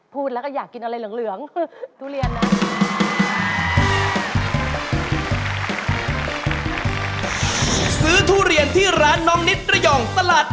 พูดแล้วก็อยากกินอะไรเหลือง